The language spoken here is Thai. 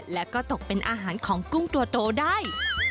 และก็ตกเป็นอาหารของกุ้งตัวโตได้